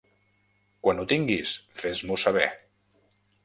Quan ho tinguis fes-m'ho saber.